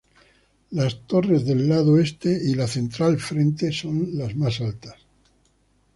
Las torres del lado este y la central frente son las más alta.